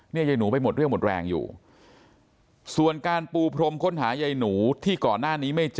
ยายหนูไปหมดเรี่ยวหมดแรงอยู่ส่วนการปูพรมค้นหายายหนูที่ก่อนหน้านี้ไม่เจอ